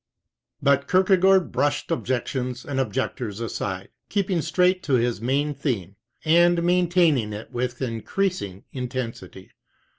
But Kierkegaard brushed objec tions and objectors aside, keeping straight to his main theme, and maintaining it with increasing intensity.